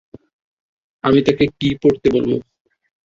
আমি তাকে কি পরতে বলব?